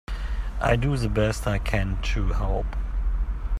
I do the best I can to help.